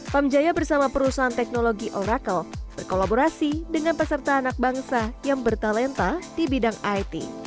pamjaya bersama perusahaan teknologi oracle berkolaborasi dengan peserta anak bangsa yang bertalenta di bidang it